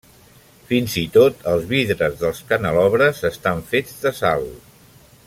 Fins i tot els vidres dels canelobres estan fets de sal.